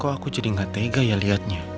kok aku jadi gak tega ya liatnya